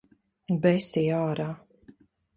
Besī ārā.